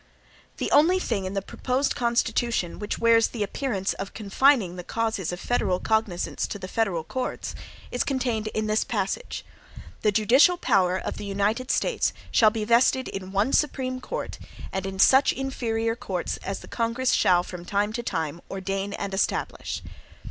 The only thing in the proposed Constitution, which wears the appearance of confining the causes of federal cognizance to the federal courts, is contained in this passage: "THE JUDICIAL POWER of the United States shall be vested in one Supreme Court, and in such inferior courts as the Congress shall from time to time ordain and establish."